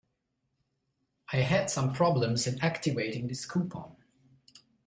I had some problems in activating this coupon.